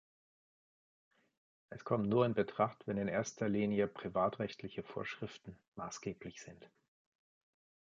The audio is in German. Es kommt nur in Betracht, wenn in erster Linie privatrechtliche Vorschriften maßgeblich sind.